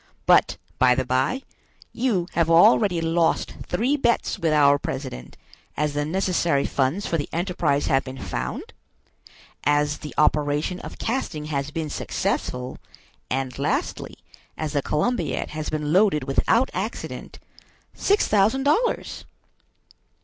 "But, by the bye, you have already lost three bets with our president, as the necessary funds for the enterprise have been found, as the operation of casting has been successful, and lastly, as the Columbiad has been loaded without accident, six thousand dollars."